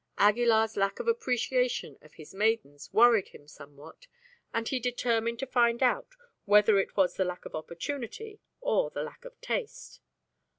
Aguilar's lack of appreciation of his maidens worried him somewhat, and he determined to find out whether it was the lack of opportunity or the lack of taste.